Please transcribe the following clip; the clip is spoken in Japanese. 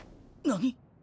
何？